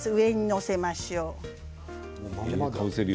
上に載せましょう。